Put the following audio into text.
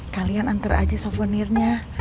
kalian antar aja souvenirnya